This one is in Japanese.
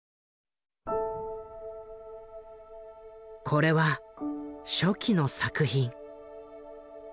これは初期の作品。